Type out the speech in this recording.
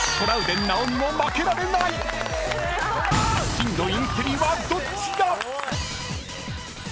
［真のインテリはどっちだ⁉］え。